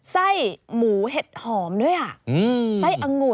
ไซส์ลำไย